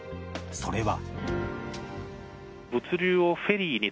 それは。